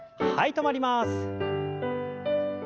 止まります。